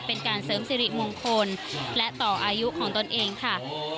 เป็นการเสริมสิริมงคลและต่ออายุของตนเองค่ะ